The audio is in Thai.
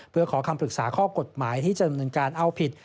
เพื่อขอคำปรึกษาข้อกฎหมายที่จะดำเนินการเอาผิด